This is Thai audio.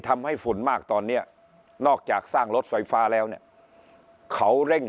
ฝุ่นมากตอนนี้นอกจากสร้างรถไฟฟ้าแล้วเนี่ยเขาเร่ง